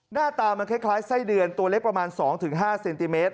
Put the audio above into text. หน้าตามันคล้ายไส้เดือนตัวเล็กประมาณ๒๕เซนติเมตร